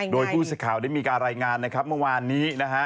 โดยผู้สิทธิ์ข่าวได้มีการรายงานเมื่อวานนี้